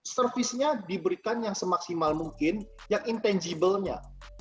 servisnya diberikan yang semaksimal mungkin yang intangible nya